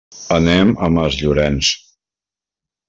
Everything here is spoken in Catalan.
Anem a Masllorenç.